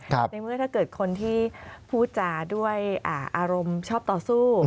ในเมื่อถ้าเกิดคนที่พูดจาด้วยอารมณ์ชอบต่อสู้